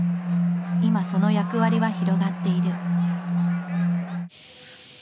今その役割は広がっている。